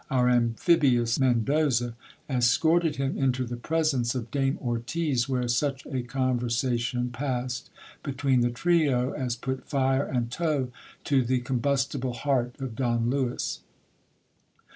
Our amphibious Mendoza escorted him into the presence of Dame Ortiz, where such a conversation passed between the trio as put fire and tow to the combustible heart of Don Lewis.